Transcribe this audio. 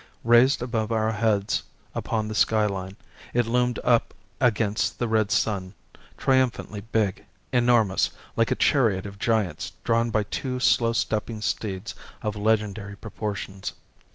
Raised above our heads upon the sky line, it loomed up against the red sun, triumphantly big, enormous, like a chariot of giants drawn by two slow stepping steeds of legendary proportions.